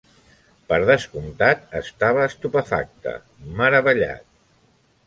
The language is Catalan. Per descomptat, estava estupefacte, meravellat.